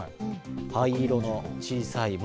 灰色の小さい窓